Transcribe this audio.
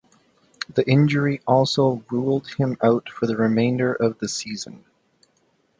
The injury also ruled him out for the remainder of the season.